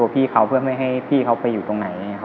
พี่เขาเพื่อไม่ให้พี่เขาไปอยู่ตรงไหน